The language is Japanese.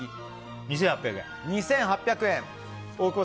２８００円。